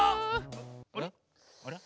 あれ？